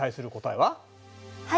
はい。